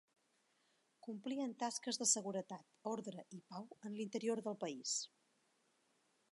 Complien tasques de seguretat, ordre i pau en l'interior del país.